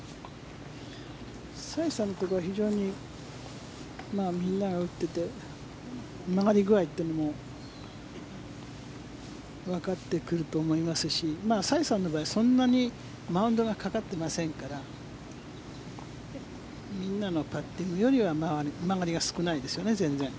サイさんのところは非常にみんなが打っていて曲がり具合というのもわかってくると思いますしサイさんの場合、そんなにマウンドがかかっていませんからみんなのパッティングよりは曲がりが全然少ないですよね。